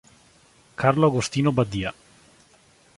Carlo Agostino Badia